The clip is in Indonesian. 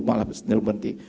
dua puluh malah berhenti